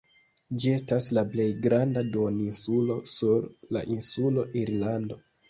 Ĝi estas la plej granda duoninsulo sur la insulo Irlando.